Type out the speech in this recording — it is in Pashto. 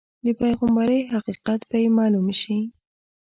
د پیغمبرۍ حقیقت به یې معلوم شي.